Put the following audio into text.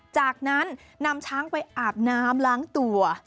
จากนั้นนำช้างไปอาบน้ำล้างตัว